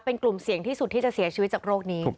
เป็นกลุ่มเสี่ยงที่สุดที่จะเสียชีวิตจากโรคนี้